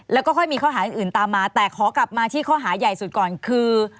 แล้วก็ค่อยมีข้อหาอื่นตามมาแต่ขอกลับมาที่ข้อหาใหญ่สุดก่อนคือ